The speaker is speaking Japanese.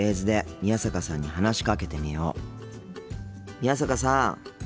宮坂さん。